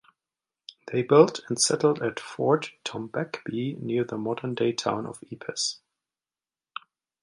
They built and settled at Fort Tombecbee, near the modern-day town of Epes.